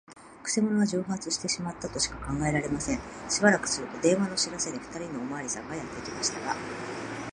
くせ者は蒸発してしまったとしか考えられません。しばらくすると、電話の知らせで、ふたりのおまわりさんがやってきましたが、